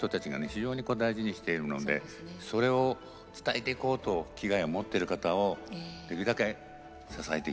非常に大事にしているのでそれを伝えていこうと気概を持っている方をできるだけ支えていきたい